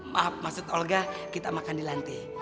maaf maksud olga kita makan di lantai